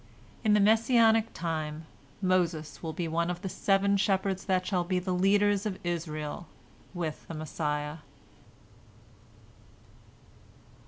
" In the Messianic time, Moses will be one of the seven shepherds that shall be the leaders of Israel with the Messiah.